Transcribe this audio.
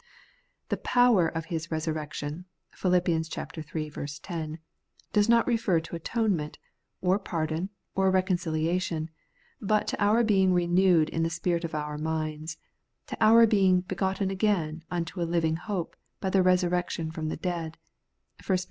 'The power of His resurrection' (PhU. iii. 10) does not refer to atonement, or pardon, or reconcilia tion ; but to our being renewed in the spirit of our minds, to our being ' begotten again unto a living hope, by the resurrection from the dead ' (1 Pet.